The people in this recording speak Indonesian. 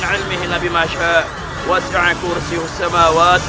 kami tidak mengizinkan kau lewat sini